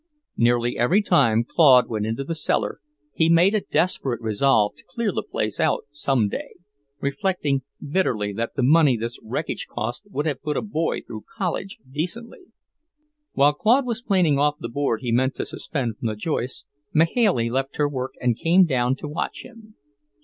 Nearly every time Claude went into the cellar, he made a desperate resolve to clear the place out some day, reflecting bitterly that the money this wreckage cost would have put a boy through college decently. While Claude was planing off the board he meant to suspend from the joists, Mahailey left her work and came down to watch him.